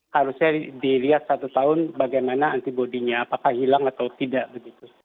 harusnya dilihat satu tahun bagaimana antibody nya apakah hilang atau tidak begitu